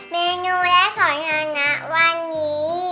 เมนูแรกของหันนั้นวันนี้